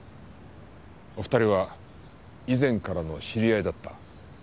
お二人は以前からの知り合いだった。